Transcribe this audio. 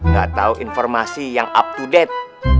gatau informasi yang up to date